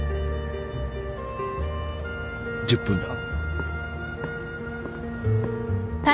１０分だ。